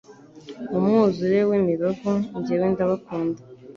Mu mwuzure w'imibavu Njyewe ndabakunda